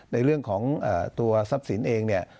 ในเรื่องของตัวทรัพย์สินเองเนี่ย